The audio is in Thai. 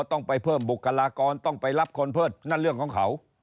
ต้องไปเพิ่มบุคลากรต้องไปรับคนเพิ่มนั่นเรื่องของเขา